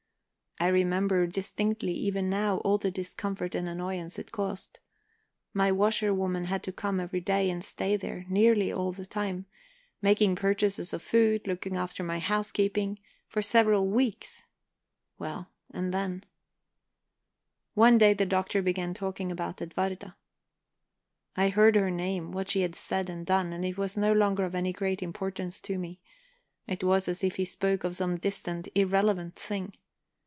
I remember distinctly even now all the discomfort and annoyance it caused; my washerwoman had to come every day and stay there nearly all the time, making purchases of food, looking after my housekeeping, for several weeks. Well, and then... One day the Doctor began talking about Edwarda. I heard her name, heard what she had said and done, and it was no longer of any great importance to me; it was as if he spoke of some distant, irrelevant thing.